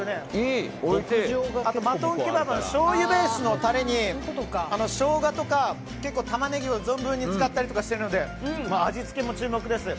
マトンケバブはしょうゆベースのタレにショウガとか、タマネギを存分に使ったりとかしているので味付けも注目です。